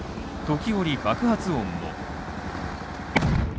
時折、爆発音も。